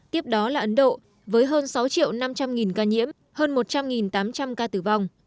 tiếp đó là ấn độ với hơn sáu triệu năm trăm linh ca nhiễm hơn một trăm linh tám trăm linh ca tử vong